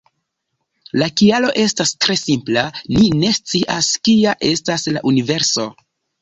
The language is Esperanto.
La kialo estas tre simpla: ni ne scias kia estas la universo".